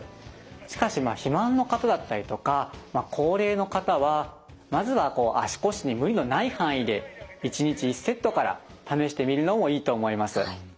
しかし肥満の方だったりとか高齢の方はまずは足腰に無理のない範囲で１日１セットから試してみるのもいいと思います。